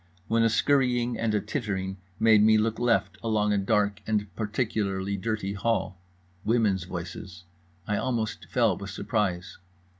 when a scurrying and a tittering made me look left, along a dark and particularly dirty hall. Women's voices … I almost fell with surprise.